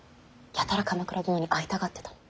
やたら鎌倉殿に会いたがってたの。